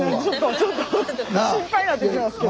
ちょっと心配になってきますけど。